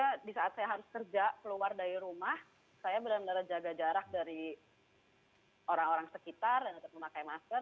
karena di saat saya harus kerja keluar dari rumah saya benar benar jaga jarak dari orang orang sekitar dan tetap memakai masker